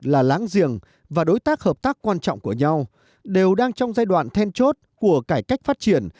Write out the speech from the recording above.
là láng giềng và đối tác hợp tác quan trọng của nhau đều đang trong giai đoạn then chốt của cải cách phát triển